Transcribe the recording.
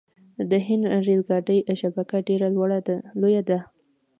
د هند ریل ګاډي شبکه ډیره لویه ده.